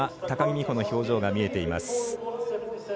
高木美帆の表情が見えています。